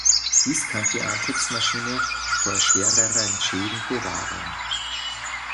Dies kann die Antriebsmaschine vor schwereren Schäden bewahren.